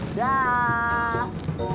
dadah mas bur